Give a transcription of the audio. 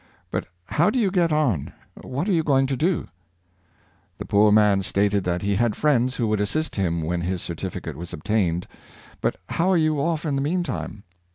But how do you get on — what are you going to do.^ " The poor man stated that he had fi^iends who would assist him when his certificate was obtained. ^' But how are you oft' in the mean time?